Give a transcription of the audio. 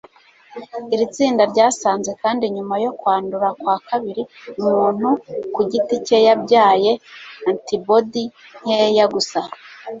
Iri tsinda ryasanze kandi nyuma yo kwandura kwa kabiri, umuntu ku giti cye yabyaye antibodi nkeya gusa